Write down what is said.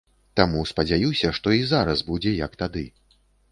Таму спадзяюся, што і зараз будзе як тады.